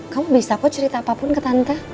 kamu bisa kok cerita apapun ke tante